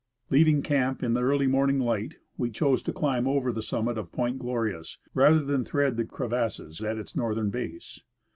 Leaving camp in the early morning light, we chose to climb over the summit of Point Glorious rather than thread the cre vasses at its northern base.